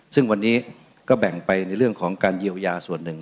ซึ่งวันนี้ก็แบ่งไปในเรื่องของการเยียวยาส่วนหนึ่ง